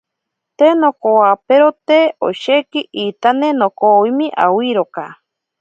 Te nonkowaperote osheki, intane nokovwime awiroka.